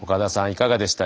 いかがでした？